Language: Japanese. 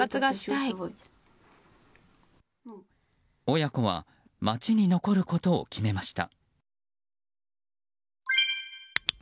親子は街に残ることを決めました。